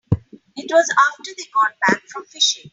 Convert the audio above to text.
It was after they got back from fishing.